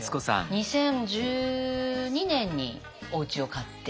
２０１２年におうちを買って。